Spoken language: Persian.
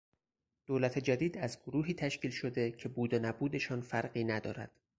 دولت جدید از گروهی تشکیل شده که بود و نبودشان فرقی ندارد.